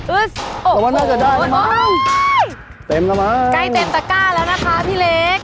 อุ๊ยโอ้โหโอ้โหเต็มแล้วไหมใกล้เต็มตะก้าแล้วนะคะพี่เล็ก